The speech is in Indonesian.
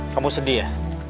kamu sedih ya